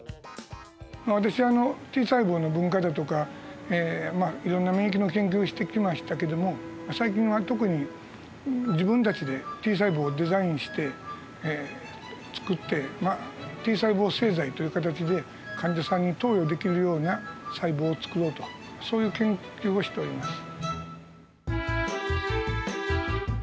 私はＴ細胞の分化だとかいろんな免疫の研究をしてきましたけども最近は特に自分たちでＴ細胞をデザインしてつくってＴ細胞製剤という形で患者さんに投与できるような細胞をつくろうとそういう研究をしております。